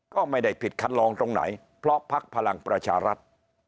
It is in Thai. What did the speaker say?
ก็ไม่ได้ผิดคัดลองตรงไหนเพราะพักพลังประชารัฐ